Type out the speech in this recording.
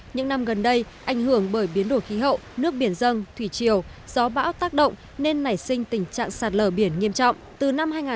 những năm gần đây ảnh hưởng bởi biến đổi khí hậu nước biển dâng thủy triều gió bão tác động nên nảy sinh tình trạng sạt lở biển nghiêm trọng